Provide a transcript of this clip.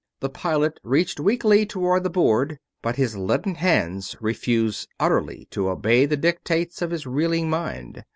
The pilot reached weakly toward the board, but his leaden hands refused utterly to obey the dictates of his reeling mind.